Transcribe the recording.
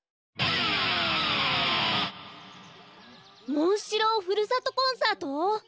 モンシローふるさとコンサート？